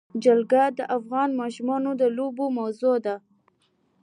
جلګه د افغان ماشومانو د لوبو موضوع ده.